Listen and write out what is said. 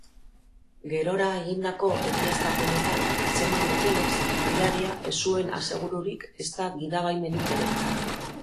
Gerora egindako egiaztapenetan atzeman dutenez, gidaria ez zuen asegururik ezta gidabaimenik ere.